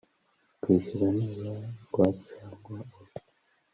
kwishyura nibura rwa cyangwa urwo